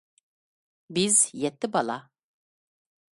بىز يەتتە بالا